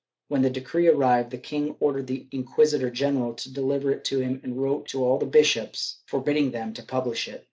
When the decree arrived, the king ordered the inqui sitor general to deliver it to him and wrote to all the bishops for bidding them to pubHsh it.